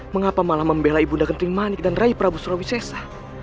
mengapa malah membela ibunda kenting manik dan rai prabu surawisesa